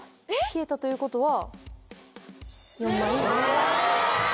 消えたということは。